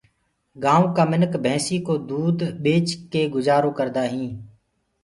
گآيونٚ ڪآ مِنک ڀيسينٚ ڪو دود ٻيچ ڪي گجآرو ڪردآ هينٚ۔